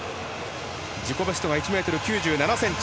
自己ベストが１ｍ９７ｃｍ。